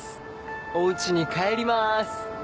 お家に帰ります。